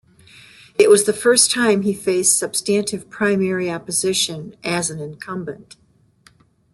It was the first time he faced substantive primary opposition as an incumbent.